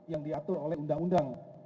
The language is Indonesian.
yang diatur oleh undang undang